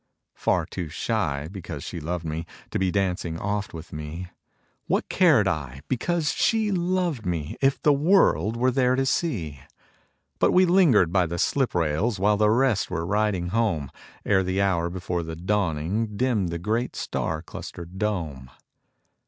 Far too shy, because she loved me, To be dancing oft with me; What cared I, because she loved me, If the world were there to see? But we lingered by the slip rails While the rest were riding home, Ere the hour before the dawning, Dimmed the great star clustered dome.